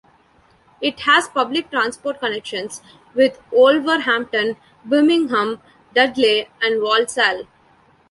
It has public transport connections with Wolverhampton, Birmingham, Dudley and Walsall.